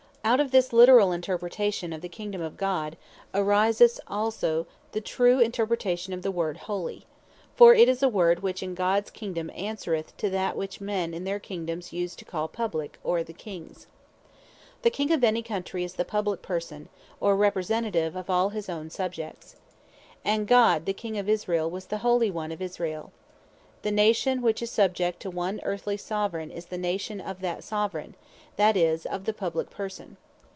Out of this literall interpretation of the Kingdome of God, ariseth also the true interpretation of the word HOLY. For it is a word, which in Gods Kingdome answereth to that, which men in their Kingdomes use to call Publique, or the Kings. The King of any Countrey is the Publique Person, or Representative of all his own Subjects. And God the King of Israel was the Holy One of Israel. The Nation which is subject to one earthly Soveraign, is the Nation of that Soveraign, that is, of the Publique Person.